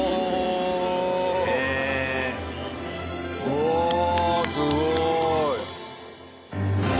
おおすごい。